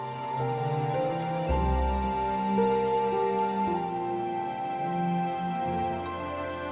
aku yang cara ini sakaluku